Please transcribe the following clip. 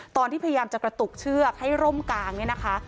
พยายามจะกระตุกเชือกให้ร่มกลางเนี่ยนะคะ